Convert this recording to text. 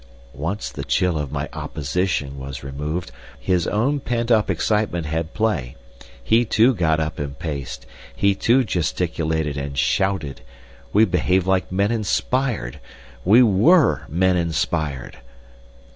Once the chill of my opposition was removed, his own pent up excitement had play. He too got up and paced. He too gesticulated and shouted. We behaved like men inspired. We were men inspired.